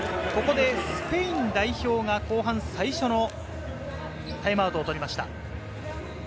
スペイン代表が後半最初のタイムアウトを取りました。